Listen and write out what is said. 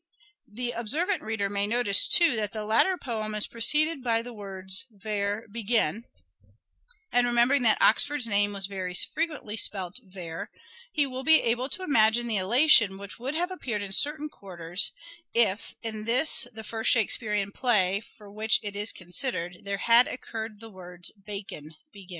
The observant reader may notice, too, that the latter poem is pre ceded by the words, " Ver, begin "; and remembering that Oxford's name was very frequently spelt " Ver," he will be able to imagine the elation which would have appeared in certain quarters, if, in this the first Shake spearean play, for such it is considered, there had occurred the words, " Bacon, begin."